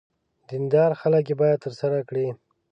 دیندار خلک یې باید ترسره کړي.